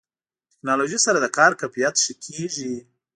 ټکنالوژي سره د کار کیفیت ښه کېږي.